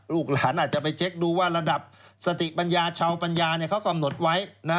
ลูกหลานอาจจะไปเช็คดูว่าระดับสติปัญญาชาวปัญญาเขากำหนดไว้